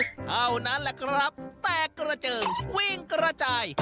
เท่านั้นแหละครับแตกกระเจิงวิ่งกระจาย